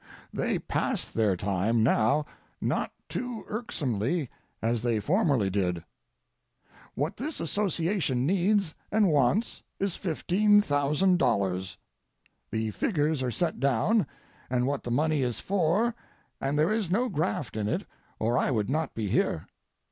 They pass their time now not too irksomely as they formerly did. What this association needs and wants is $15,000. The figures are set down, and what the money is for, and there is no graft in it or I would not be here.